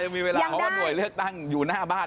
มีเวลาเพราะว่าหน่วยเลือกตั้งอยู่หน้าบ้าน